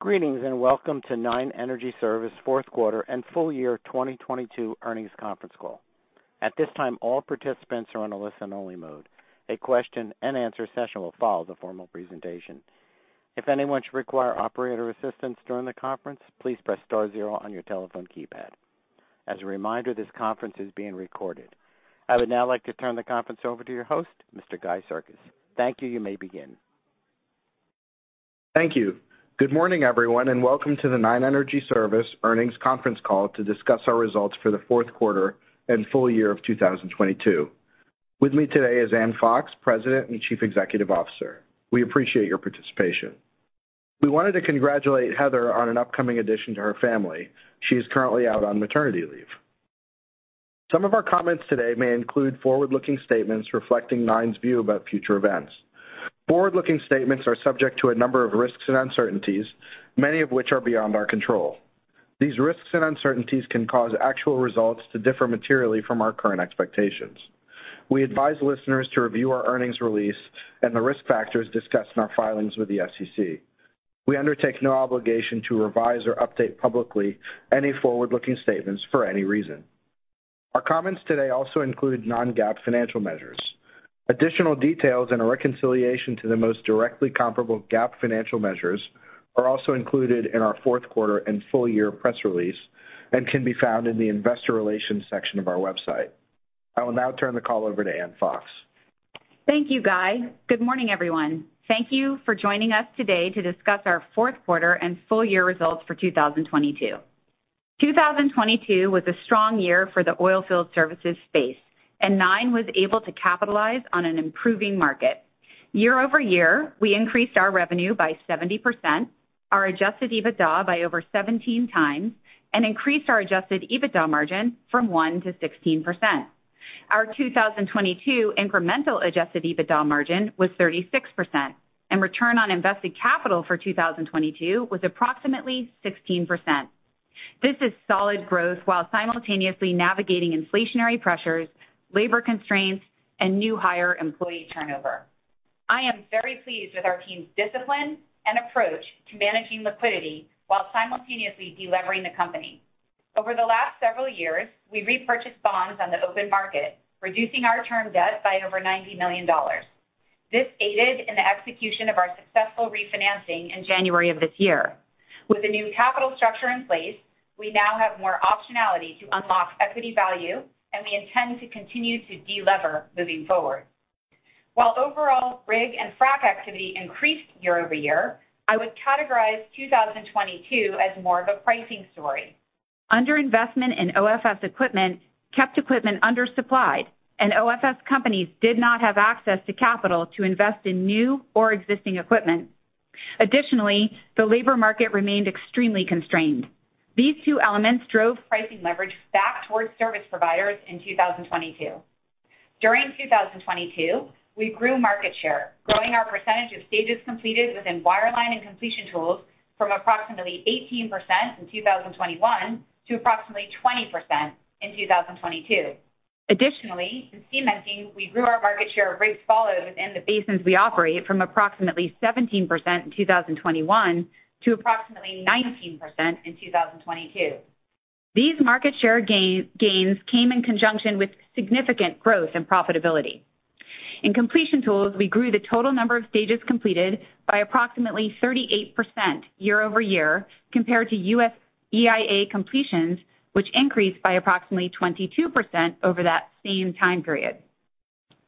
Greetings, welcome to Nine Energy Service fourth quarter and full year 2022 earnings conference call. At this time, all participants are on a listen-only mode. A question-and-answer session will follow the formal presentation. If anyone should require operator assistance during the conference, please press star zero on your telephone keypad. As a reminder, this conference is being recorded. I would now like to turn the conference over to your host, Mr. Guy Sirkes. Thank you. You may begin. Thank you. Good morning, everyone, and welcome to the Nine Energy Service earnings conference call to discuss our results for the fourth quarter and full year of 2022. With me today is Ann Fox, President and Chief Executive Officer. We appreciate your participation. We wanted to congratulate Heather on an upcoming addition to her family. She is currently out on maternity leave. Some of our comments today may include forward-looking statements reflecting Nine's view about future events. Forward-looking statements are subject to a number of risks and uncertainties, many of which are beyond our control. These risks and uncertainties can cause actual results to differ materially from our current expectations. We advise listeners to review our earnings release and the risk factors discussed in our filings with the SEC. We undertake no obligation to revise or update publicly any forward-looking statements for any reason. Our comments today also include non-GAAP financial measures. Additional details and a reconciliation to the most directly comparable GAAP financial measures are also included in our fourth quarter and full year press release and can be found in the investor relations section of our website. I will now turn the call over to Ann Fox. Thank you, Guy. Good morning, everyone. Thank you for joining us today to discuss our fourth quarter and full year results for 2022. 2022 was a strong year for the oilfield services space, and Nine was able to capitalize on an improving market. Year-over-year, we increased our revenue by 70%, our adjusted EBITDA by over 17x and increased our adjusted EBITDA margin from 1%-16%. Our 2022 incremental adjusted EBITDA margin was 36%, and return on invested capital for 2022 was approximately 16%. This is solid growth while simultaneously navigating inflationary pressures, labor constraints, and new hire employee turnover. I am very pleased with our team's discipline and approach to managing liquidity while simultaneously delevering the company. Over the last several years, we repurchased bonds on the open market, reducing our term debt by over $90 million. This aided in the execution of our successful refinancing in January of this year. With a new capital structure in place, we now have more optionality to unlock equity value. We intend to continue to delever moving forward. While overall rig and frac activity increased year-over-year, I would categorize 2022 as more of a pricing story. Under investment in OFS equipment kept equipment undersupplied. OFS companies did not have access to capital to invest in new or existing equipment. Additionally, the labor market remained extremely constrained. These two elements drove pricing leverage back towards service providers in 2022. During 2022, we grew market share, growing our percentage of stages completed within Wireline and completion tools from approximately 18% in 2021 to approximately 20% in 2022. In Cementing, we grew our market share of rig follows in the basins we operate from approximately 17% in 2021 to approximately 19% in 2022. These market share gains came in conjunction with significant growth and profitability. In completion tools, we grew the total number of stages completed by approximately 38% year-over-year compared to U.S. EIA completions, which increased by approximately 22% over that same time period.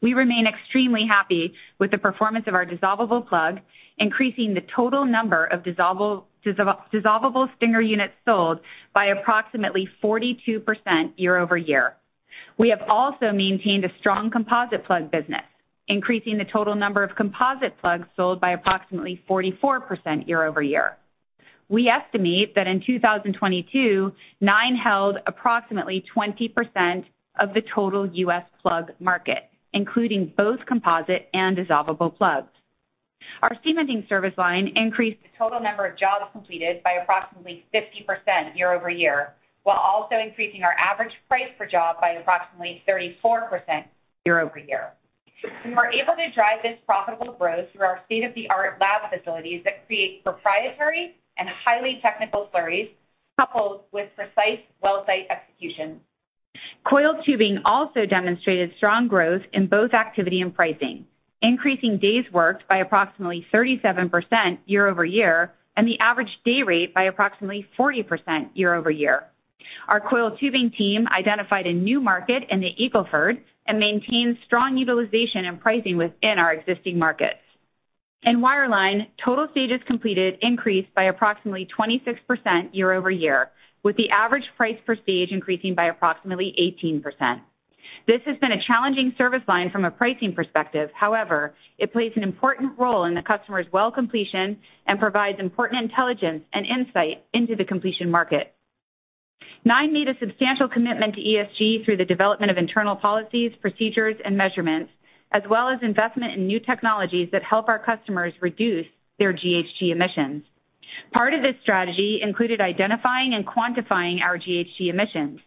We remain extremely happy with the performance of our dissolvable plug, increasing the total number of dissolvable Stinger units sold by approximately 42% year-over-year. We have also maintained a strong composite plug business, increasing the total number of composite plugs sold by approximately 44% year-over-year. We estimate that in 2022, Nine held approximately 20% of the total U.S. plug market, including both composite and dissolvable plugs. Our Cementing Service Line increased the total number of jobs completed by approximately 50% year-over-year, while also increasing our average price per job by approximately 34% year-over-year. We were able to drive this profitable growth through our state-of-the-art lab facilities that create proprietary and highly technical slurries coupled with precise well site execution. Coiled tubing also demonstrated strong growth in both activity and pricing, increasing days worked by approximately 37% year-over-year and the average day rate by approximately 40% year-over-year. Our coiled tubing team identified a new market in the Eagle Ford and maintained strong utilization and pricing within our existing markets. In Wireline, total stages completed increased by approximately 26% year-over-year, with the average price per stage increasing by approximately 18%. This has been a challenging service line from a pricing perspective. However, it plays an important role in the customer's well completion and provides important intelligence and insight into the completion market. Nine made a substantial commitment to ESG through the development of internal policies, procedures, and measurements, as well as investment in new technologies that help our customers reduce their GHG emissions. Part of this strategy included identifying and quantifying our GHG emissions.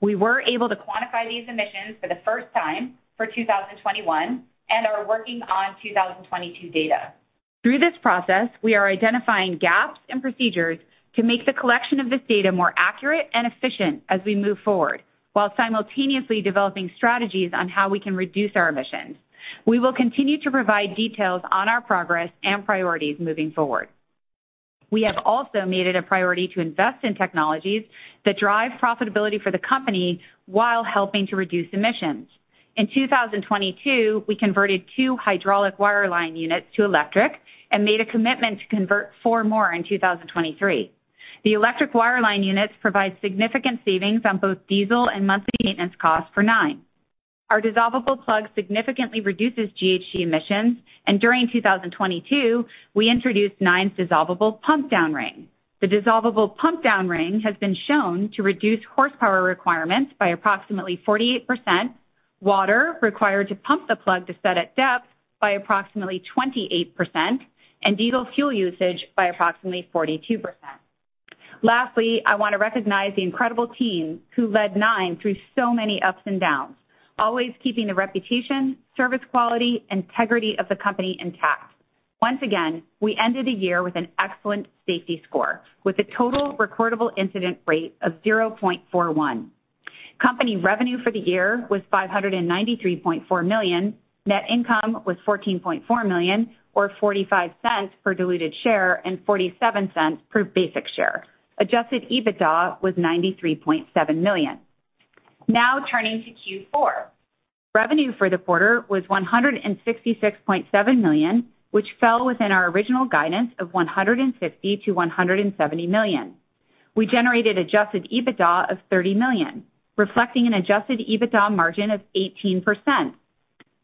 We were able to quantify these emissions for the first time for 2021 and are working on 2022 data. Through this process, we are identifying gaps and procedures to make the collection of this data more accurate and efficient as we move forward, while simultaneously developing strategies on how we can reduce our emissions. We will continue to provide details on our progress and priorities moving forward. We have also made it a priority to invest in technologies that drive profitability for the company while helping to reduce emissions. In 2022, we converted two hydraulic Wireline units to electric and made a commitment to convert four more in 2023. The Electric Wireline units provide significant savings on both diesel and monthly maintenance costs for Nine. Our dissolvable plug significantly reduces GHG emissions. During 2022, we introduced Nine's dissolvable pumpdown ring. The dissolvable pumpdown ring has been shown to reduce horsepower requirements by approximately 48%, water required to pump the plug to set at depth by approximately 28%, and diesel fuel usage by approximately 42%. Lastly, I want to recognize the incredible team who led Nine through so many ups and downs, always keeping the reputation, service quality, integrity of the company intact. Once again, we ended the year with an excellent safety score with a total recordable incident rate of 0.41. Company revenue for the year was $593.4 million. Net income was $14.4 million or $0.45 per diluted share and $0.47 per basic share. adjusted EBITDA was $93.7 million. Now turning to Q4. Revenue for the quarter was $166.7 million, which fell within our original guidance of $150 million-$170 million. We generated adjusted EBITDA of $30 million, reflecting an adjusted EBITDA margin of 18%.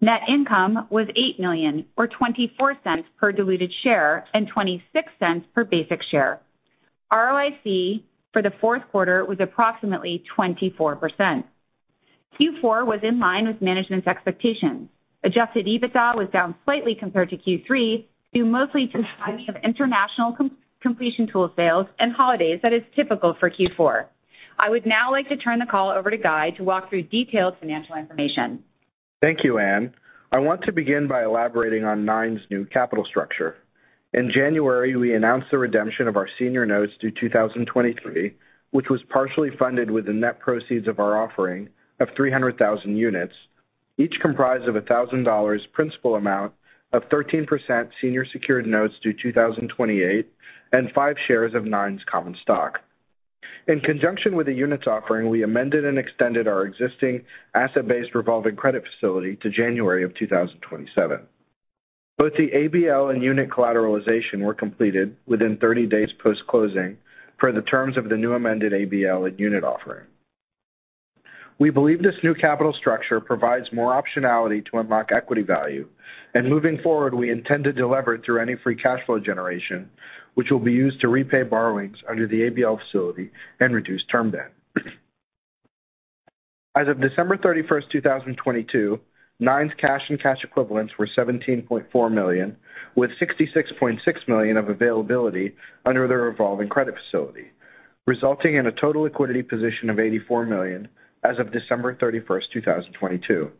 Net income was $8 million or $0.24 per diluted share and $0.26 per basic share. ROIC for the fourth quarter was approximately 24%. Q4 was in line with management's expectations. Adjusted EBITDA was down slightly compared to Q3, due mostly to timing of international completion tool sales and holidays that is typical for Q4. I would now like to turn the call over to Guy to walk through detailed financial information. Thank you, Ann. I want to begin by elaborating on Nine's new capital structure. In January, we announced the redemption of our senior notes due 2023, which was partially funded with the net proceeds of our offering of 300,000 units, each comprised of a $1,000 principal amount of 13% senior secured notes due 2028 and 5 shares of Nine's common stock. In conjunction with the units offering, we amended and extended our existing asset-based revolving credit facility to January of 2027. Both the ABL and unit collateralization were completed within 30 days post-closing per the terms of the new amended ABL and unit offering. We believe this new capital structure provides more optionality to unlock equity value. Moving forward, we intend to delever through any free cash flow generation, which will be used to repay borrowings under the ABL facility and reduce term debt. As of December 31, 2022, Nine's cash and cash equivalents were $17.4 million, with $66.6 million of availability under the revolving credit facility, resulting in a total liquidity position of $84 million as of December 31, 2022.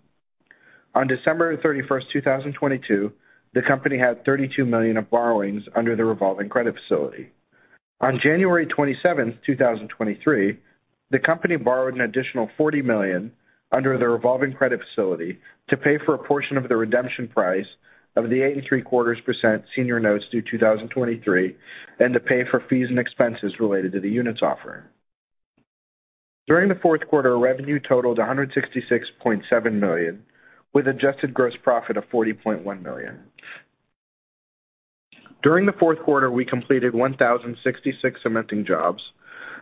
On December 31, 2022, the company had $32 million of borrowings under the revolving credit facility. On January 27, 2023, the company borrowed an additional $40 million under the revolving credit facility to pay for a portion of the redemption price of the 8.750% Senior Notes due 2023 and to pay for fees and expenses related to the units offering. During the fourth quarter, revenue totaled $166.7 million, with adjusted gross profit of $40.1 million. During the fourth quarter, we completed 1,066 Cementing jobs,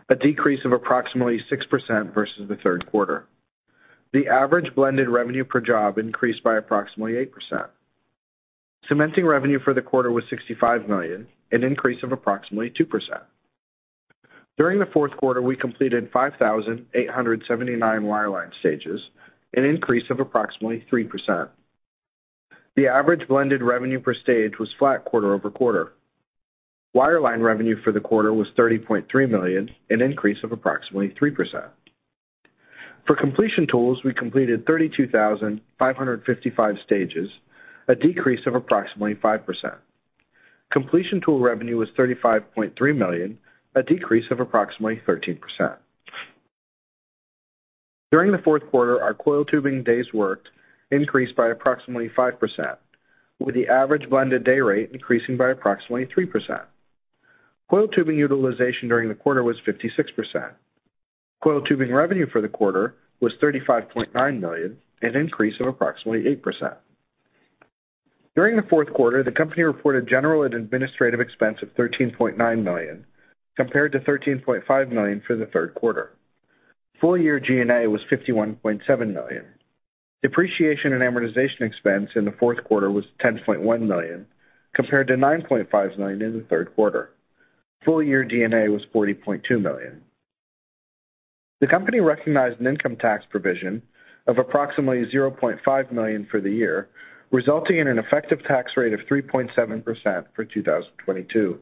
a decrease of approximately 6% versus the third quarter. The average blended revenue per job increased by approximately 8%. Cementing revenue for the quarter was $65 million, an increase of approximately 2%. During the fourth quarter, we completed 5,879 Wireline stages, an increase of approximately 3%. The average blended revenue per stage was flat quarter-over-quarter. Wireline revenue for the quarter was $30.3 million, an increase of approximately 3%. For completion tools, we completed 32,555 stages, a decrease of approximately 5%. Completion tool revenue was $35.3 million, a decrease of approximately 13%. During the fourth quarter, our coiled tubing days worked increased by approximately 5%, with the average blended day rate increasing by approximately 3%. Coiled tubing utilization during the quarter was 56%. Coiled tubing revenue for the quarter was $35.9 million, an increase of approximately 8%. During the fourth quarter, the company reported general and administrative expense of $13.9 million, compared to $13.5 million for the third quarter. Full year G&A was $51.7 million. Depreciation and amortization expense in the fourth quarter was $10.1 million, compared to $9.5 million in the third quarter. Full year D&A was $40.2 million. The company recognized an income tax provision of approximately $0.5 million for the year, resulting in an effective tax rate of 3.7% for 2022.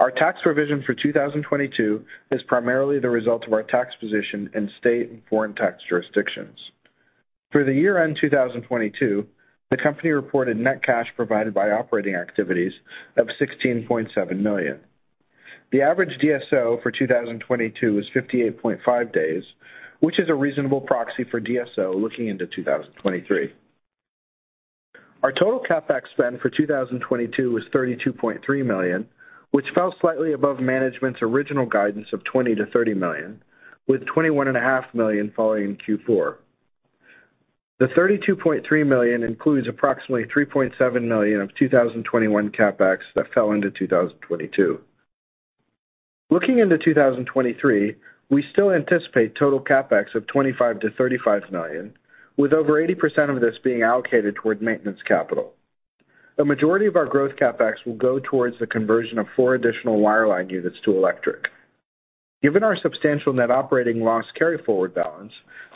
Our tax provision for 2022 is primarily the result of our tax position in state and foreign tax jurisdictions. For the year-end 2022, the company reported net cash provided by operating activities of $16.7 million. The average DSO for 2022 was 58.5 days, which is a reasonable proxy for DSO looking into 2023. Our total CapEx spend for 2022 was $32.3 million, which fell slightly above management's original guidance of $20 million-$30 million, with $21.5 million falling in Q4. The $32.3 million includes approximately $3.7 million of 2021 CapEx that fell into 2022. Looking into 2023, we still anticipate total CapEx of $25 million-$35 million, with over 80% of this being allocated toward maintenance capital. The majority of our growth CapEx will go towards the conversion of four additional Wireline units to electric. Given our substantial net operating loss carryforward balance,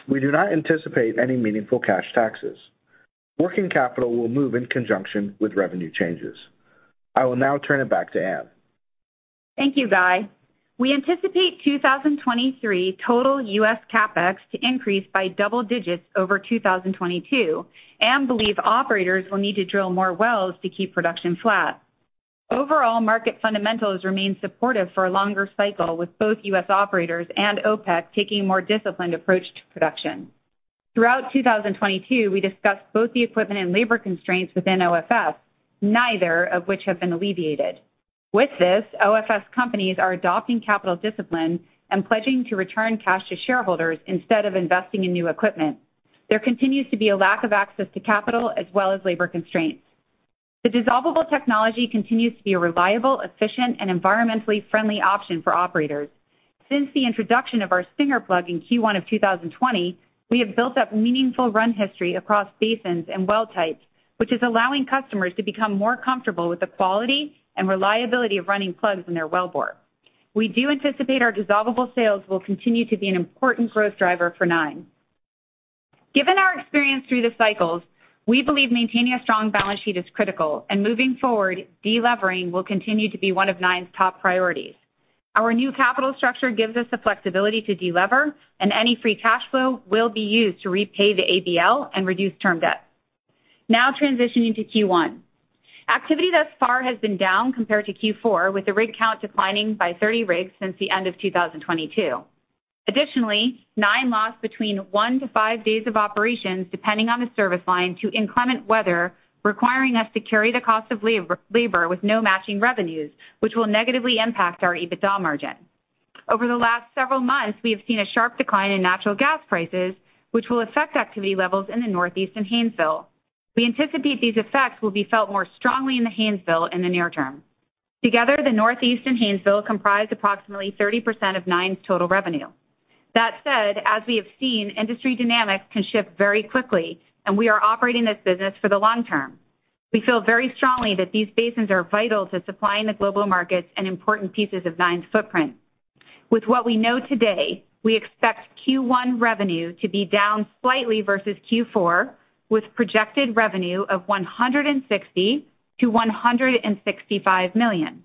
we do not anticipate any meaningful cash taxes. Working capital will move in conjunction with revenue changes. I will now turn it back to Ann. Thank you, Guy. We anticipate 2023 total U.S. CapEx to increase by double digits over 2022 and believe operators will need to drill more wells to keep production flat. Overall, market fundamentals remain supportive for a longer cycle, with both U.S. operators and OPEC taking a more disciplined approach to production. Throughout 2022, we discussed both the equipment and labor constraints within OFS, neither of which have been alleviated. With this, OFS companies are adopting capital discipline and pledging to return cash to shareholders instead of investing in new equipment. There continues to be a lack of access to capital as well as labor constraints. The dissolvable technology continues to be a reliable, efficient and environmentally friendly option for operators. Since the introduction of our Stinger plug in Q1 of 2020, we have built up meaningful run history across basins and well types, which is allowing customers to become more comfortable with the quality and reliability of running plugs in their wellbore. We do anticipate our dissolvable sales will continue to be an important growth driver for Nine. Given our experience through the cycles, we believe maintaining a strong balance sheet is critical. Moving forward, de-levering will continue to be one of Nine's top priorities. Our new capital structure gives us the flexibility to de-lever. Any free cash flow will be used to repay the ABL and reduce term debt. Transitioning to Q1. Activity thus far has been down compared to Q4, with the rig count declining by 30 rigs since the end of 2022. Additionally, Nine lost between one to five days of operations, depending on the service line, to inclement weather, requiring us to carry the cost of lab-labor with no matching revenues, which will negatively impact our EBITDA margin. Over the last several months, we have seen a sharp decline in natural gas prices, which will affect activity levels in the Northeast and Haynesville. We anticipate these effects will be felt more strongly in the Haynesville in the near term. Together, the Northeast and Haynesville comprise approximately 30% of Nine's total revenue. That said, as we have seen, industry dynamics can shift very quickly, and we are operating this business for the long term. We feel very strongly that these basins are vital to supplying the global markets and important pieces of Nine's footprint. With what we know today, we expect Q1 revenue to be down slightly versus Q4, with projected revenue of $160 million-$165 million.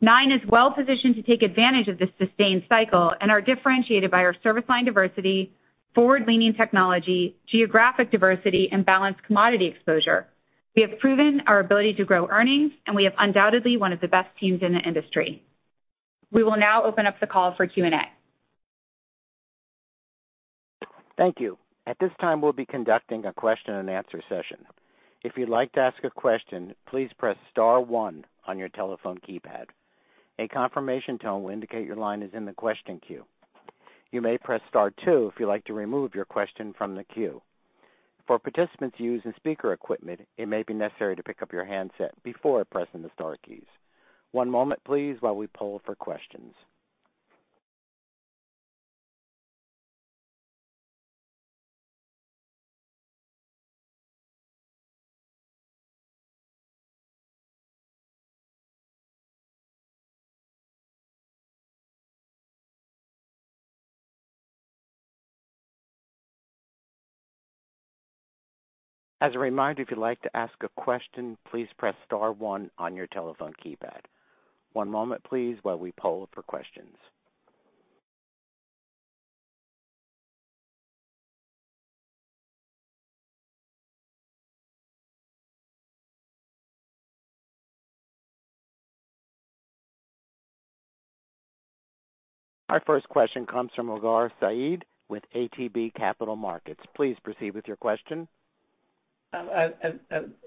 Nine is well positioned to take advantage of this sustained cycle and are differentiated by our service line diversity, forward-leaning technology, geographic diversity and balanced commodity exposure. We have proven our ability to grow earnings, and we have undoubtedly one of the best teams in the industry. We will now open up the call for Q&A. Thank you. At this time, we'll be conducting a question and answer session. If you'd like to ask a question, please press star one on your telephone keypad. A confirmation tone will indicate your line is in the question queue. You may press star two if you'd like to remove your question from the queue. For participants using speaker equipment, it may be necessary to pick up your handset before pressing the star keys. One moment, please, while we poll for questions. As a reminder, if you'd like to ask a question, please press star one on your telephone keypad. One moment, please, while we poll for questions. Our first question comes from Waqar Syed with ATB Capital Markets. Please proceed with your question.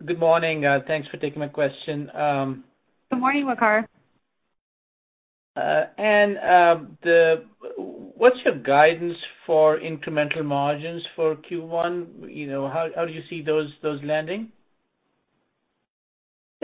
Good morning. Thanks for taking my question. Good morning, Waqar. What's your guidance for incremental margins for Q1? You know, how do you see those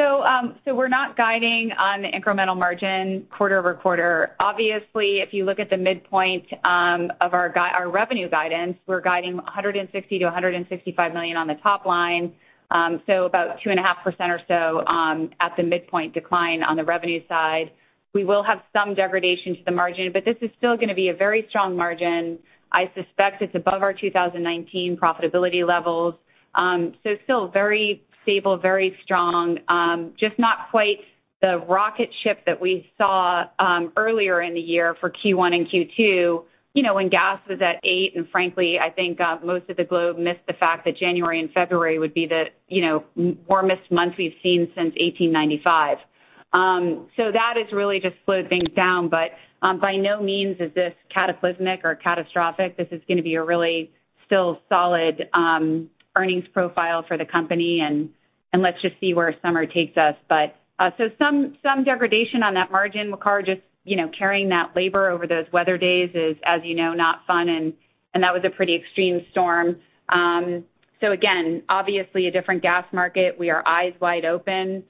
landing? We're not guiding on incremental margin quarter-over-quarter. Obviously, if you look at the midpoint of our revenue guidance, we're guiding $160 million-$165 million on the top line. About 2.5% or so at the midpoint decline on the revenue side. We will have some degradation to the margin, but this is still gonna be a very strong margin. I suspect it's above our 2019 profitability levels. Still very stable, very strong, just not quite the rocket ship that we saw earlier in the year for Q1 and Q2, you know, when gas was at $8. Frankly, I think most of the globe missed the fact that January and February would be the warmest months we've seen since 1895. That has really just slowed things down. By no means is this cataclysmic or catastrophic. This is going to be a really still solid earnings profile for the company, and let's just see where summer takes us. So some degradation on that margin, Waqar, just carrying that labor over those weather days is, as you know, not fun and that was a pretty extreme storm. Again, obviously a different gas market. We are eyes wide open.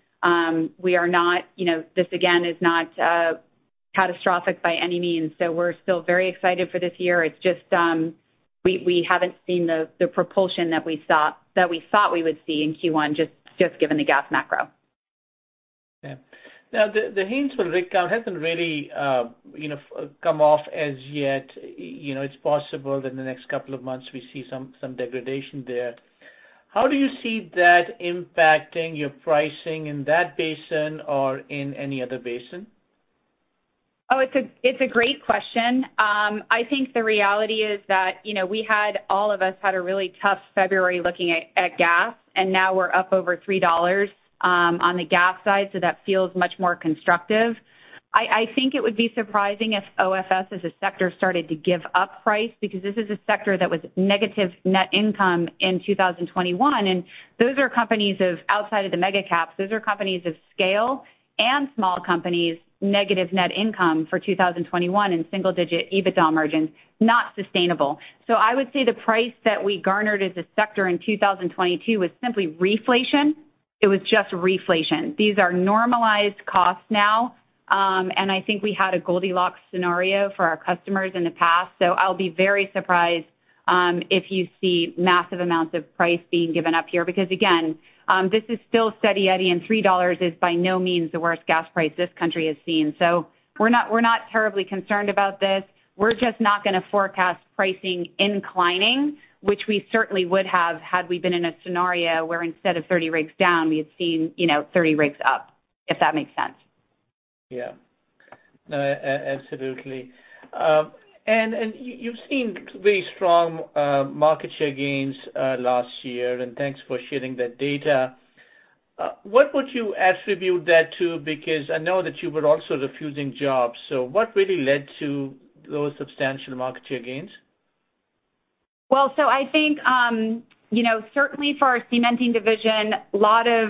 We are not, this again is not catastrophic by any means, so we're still very excited for this year. It's just, we haven't seen the propulsion that we thought we would see in Q1 just given the gas macro. Yeah. Now the Haynesville rig count hasn't really, you know, come off as yet. You know, it's possible that in the next couple of months we see some degradation there. How do you see that impacting your pricing in that basin or in any other basin? It's a great question. I think the reality is that, you know, all of us had a really tough February looking at gas, and now we're up over $3 on the gas side, so that feels much more constructive. I think it would be surprising if OFS as a sector started to give up price because this is a sector that was negative net income in 2021, and those are companies of outside of the mega caps, those are companies of scale and small companies, negative net income for 2021 in single digit EBITDA margins, not sustainable. I would say the price that we garnered as a sector in 2022 was simply reflation. It was just reflation. These are normalized costs now, I think we had a Goldilocks scenario for our customers in the past. I'll be very surprised if you see massive amounts of price being given up here because again, this is still steady-eddy, and $3 is by no means the worst gas price this country has seen. We're not, we're not terribly concerned about this. We're just not going to forecast pricing inclining, which we certainly would have had we been in a scenario where instead of 30 rigs down, we had seen, you know, 30 rigs up, if that makes sense. Yeah. No, absolutely. You've seen very strong market share gains last year. Thanks for sharing that data. What would you attribute that to? I know that you were also refusing jobs, so what really led to those substantial market share gains? I think, you know, certainly for our Cementing division, a lot of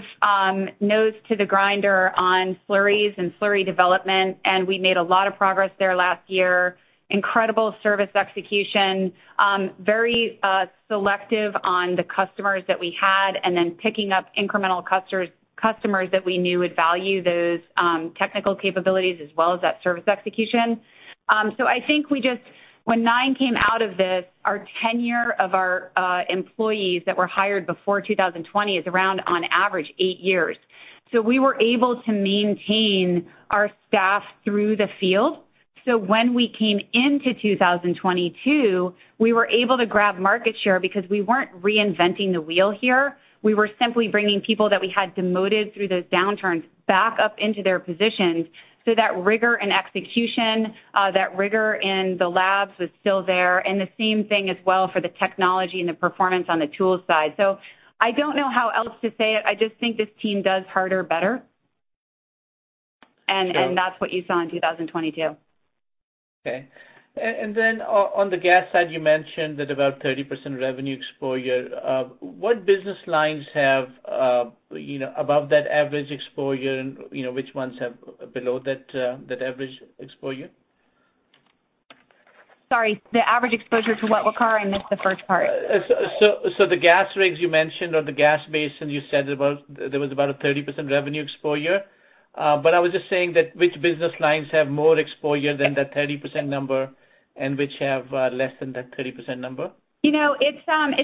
nose to the grinder on slurries and slurry development, and we made a lot of progress there last year. Incredible service execution, very selective on the customers that we had, and then picking up incremental customers that we knew would value those technical capabilities as well as that service execution. I think when Nine came out of this, our tenure of our employees that were hired before 2020 is around on average eight years. We were able to maintain our staff through the field. When we came into 2022, we were able to grab market share because we weren't reinventing the wheel here. We were simply bringing people that we had demoted through those downturns back up into their positions, so that rigor and execution, that rigor in the labs was still there. The same thing as well for the technology and the performance on the tool side. I don't know how else to say it. I just think this team does harder better. Sure. That's what you saw in 2022. Okay. Then on the gas side, you mentioned that about 30% revenue exposure. What business lines have, you know, above that average exposure and, you know, which ones have below that average exposure? Sorry, the average exposure to what, Waqar? I missed the first part. So the gas rigs you mentioned or the gas basin, you said there was about a 30% revenue exposure. But I was just saying that which business lines have more exposure than the 30% number, and which have less than that 30% number? You know, it's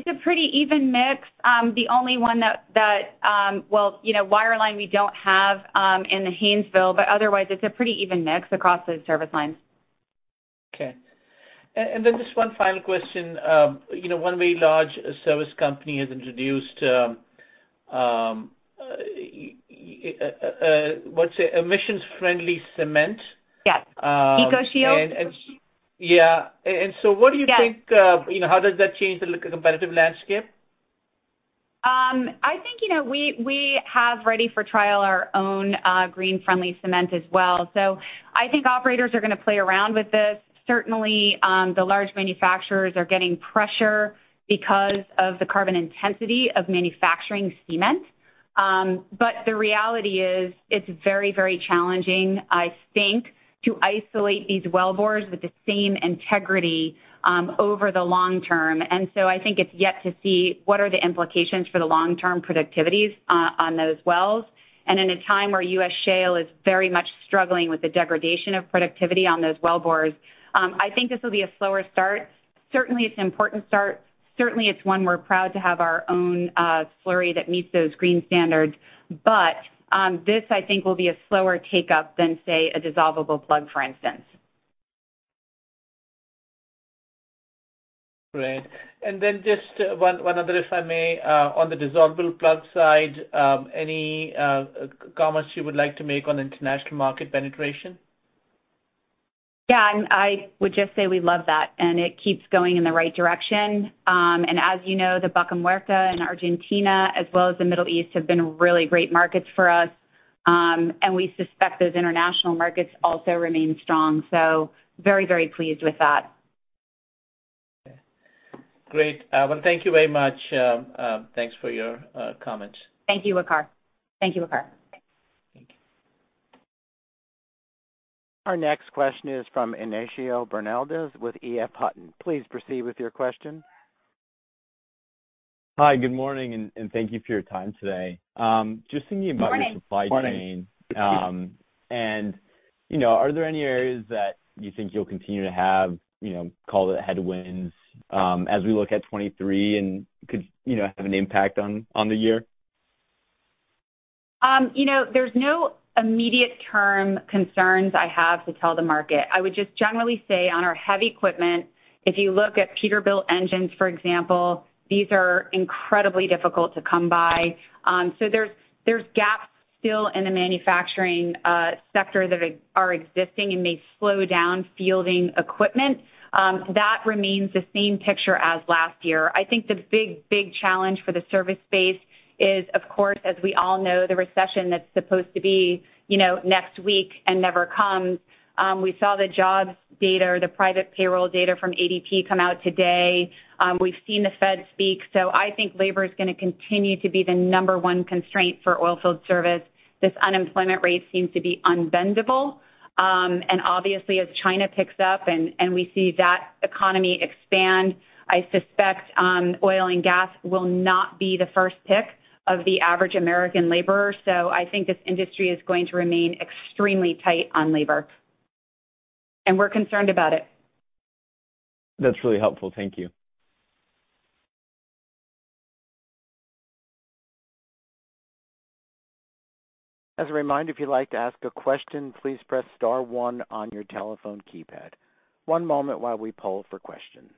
a pretty even mix. The only one that, well, you know, Wireline we don't have, in the Haynesville, but otherwise it's a pretty even mix across those service lines. Okay. Then just one final question. You know, one very large service company has introduced, what's it? Emissions-friendly cement. Yes. EcoShield. Yeah. what do you think- Yeah... you know, how does that change the competitive landscape? I think, you know, we have ready for trial our own green-friendly cement as well. I think operators are gonna play around with this. Certainly, the large manufacturers are getting pressure because of the carbon intensity of manufacturing cement. But the reality is it's very, very challenging, I think, to isolate these wellbores with the same integrity over the long term. I think it's yet to see what are the implications for the long-term productivities on those wells. In a time where U.S. shale is very much struggling with the degradation of productivity on those wellbores, I think this will be a slower start. Certainly, it's an important start. Certainly, it's one we're proud to have our own slurry that meets those green standards. This I think will be a slower take-up than, say, a dissolvable plug, for instance. Great. Just one other, if I may, on the dissolvable plug side, any comments you would like to make on international market penetration? Yeah, I would just say we love that and it keeps going in the right direction. As you know, the Vaca Muerta in Argentina, as well as the Middle East, have been really great markets for us, and we suspect those international markets also remain strong. Very, very pleased with that. Great. Well, thank you very much. Thanks for your comments. Thank you, Waqar. Thank you, Waqar. Thank you. Our next question is from Ignacio Bernaldez with EF Hutton. Please proceed with your question. Hi, good morning, and thank you for your time today. Good morning.... your supply chain. You know, are there any areas that you think you'll continue to have, you know, call it headwinds, as we look at 23 and could, you know, have an impact on the year? You know, there's no immediate term concerns I have to tell the market. I would just generally say on our heavy equipment, if you look at Peterbilt engines, for example, these are incredibly difficult to come by. There's gaps still in the manufacturing sector that are existing and may slow down fielding equipment. That remains the same picture as last year. I think the big challenge for the service space is, of course, as we all know, the recession that's supposed to be, you know, next week and never comes. We saw the jobs data, the private payroll data from ADP come out today. We've seen the Fed speak. I think labor is gonna continue to be the number one constraint for oilfield service. This unemployment rate seems to be unbendable. Obviously, as China picks up and we see that economy expand, I suspect oil and gas will not be the first pick of the average American laborer. I think this industry is going to remain extremely tight on labor. We're concerned about it. That's really helpful. Thank you. As a reminder, if you'd like to ask a question, please press star one on your telephone keypad. One moment while we poll for questions.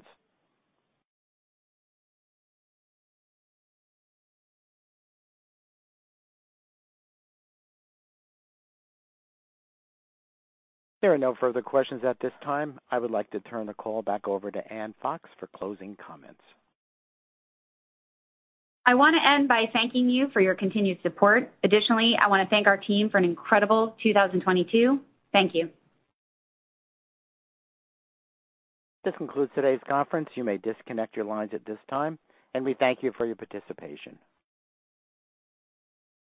There are no further questions at this time. I would like to turn the call back over to Ann Fox for closing comments. I wanna end by thanking you for your continued support. Additionally, I wanna thank our team for an incredible 2022. Thank you. This concludes today's conference. You may disconnect your lines at this time. We thank you for your participation.